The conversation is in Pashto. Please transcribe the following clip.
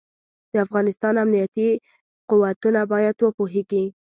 د افغانستان امنيتي قوتونه بايد وپوهېږي.